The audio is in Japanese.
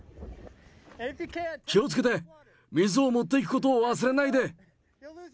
気をつけて、水を持っていくことを忘れないで。